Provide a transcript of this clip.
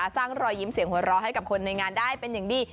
สร้างรอยยิ้มเสียงหัวเราะให้กับคนในงานได้เป็นอย่างดี